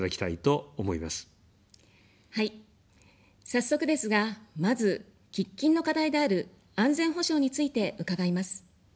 早速ですが、まず、喫緊の課題である安全保障について伺います。